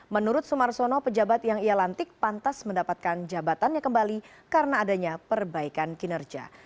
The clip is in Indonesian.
menurut sumarsono pejabat yang ia lantik pantas mendapatkan jabatannya kembali karena adanya perbaikan kinerja